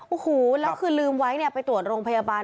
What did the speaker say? โอ้โหแล้วคือลืมไว้เนี่ยไปตรวจโรงพยาบาล